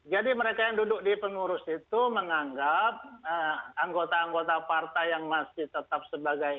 jadi mereka yang duduk di pengurus itu menganggap anggota anggota partai yang masih tetap sebagai